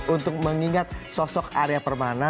untuk mengingat sosok arya permana